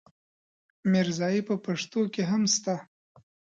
ميرزايي په پښتو کې هم شته.